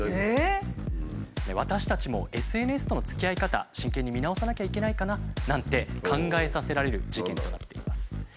私たちもＳＮＳとのつきあい方真剣に見直さなきゃいけないかななんて考えさせられる事件となっています。